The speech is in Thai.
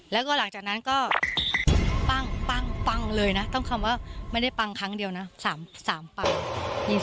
แล้วก็หลังจากนั้นก็ปั้งเลยนะต้องคำว่าไม่ได้ปังครั้งเดียวนะ๓ปัง